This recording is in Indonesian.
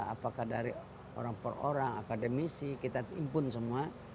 apakah dari orang per orang akademisi kita impun semua